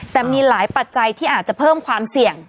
แต่มีหลายปัจจัยที่อาจจะเพิ่มความเสี่ยง